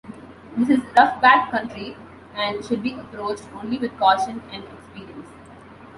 This is rough backcountry and should be approached only with caution and experience.